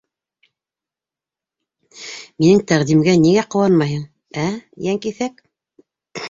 Минең тәҡдимгә нигә ҡыуанмайһың, ә, йән киҫәк?